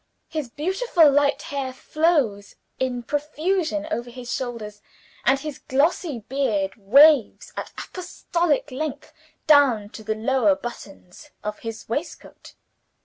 His beautiful light hair flows in profusion over his shoulders; and his glossy beard waves, at apostolic length, down to the lower buttons of his waistcoat.